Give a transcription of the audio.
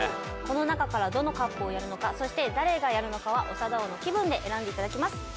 この中からどのＣＵＰをやるのかそして誰がやるのかは長田王の気分で選んでいただきます。